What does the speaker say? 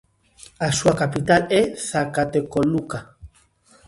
A súa capital é Zacatecoluca.